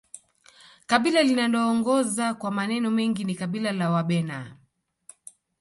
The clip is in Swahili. kabila linaloongoza kwa maneno mengi ni kabila la wabena